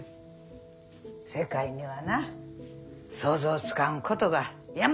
世界にはな想像つかんことが山ほどあんねん。